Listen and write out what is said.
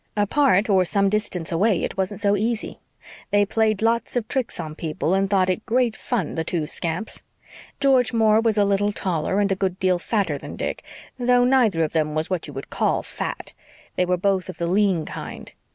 Apart, or some distance away, it wasn't so easy. They played lots of tricks on people and thought it great fun, the two scamps. George Moore was a little taller and a good deal fatter than Dick though neither of them was what you would call fat they were both of the lean kind.